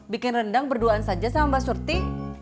bikin rendang berduaan saja sama mbak surti